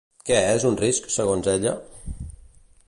Què és un risc, segons ella?